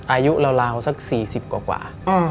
อายุเหล่าสัก๔๐กว่า